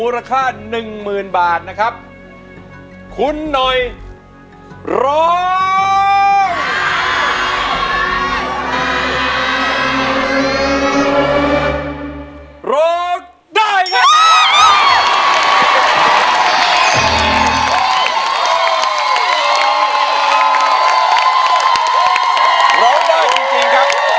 ร้องได้จริงครับร้องไม่ผิดเลย